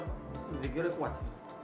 menurut diri dia kuat